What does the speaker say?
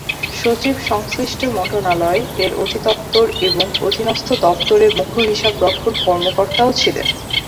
সচিব সংশ্লিষ্ট মন্ত্রণালয়, এর অধিদপ্তর এবং অধীনস্থ দপ্তরের মুখ্য হিসাবরক্ষণ কর্মকর্তাও ছিলেন।